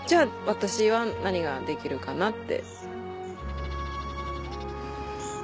私は何ができるかなって。